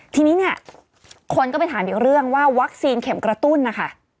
ทีนี้เนี่ยคนก็ไปถามอีกเรื่องว่าวัคซีนเข็มกระตุ้นนะคะ